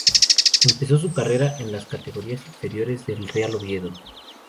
Empezó su carrera en las categorías inferiores del Real Oviedo.